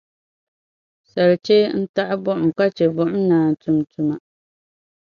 Salichee n-taɣi buɣim ka chɛ buɣim naan tum tuma.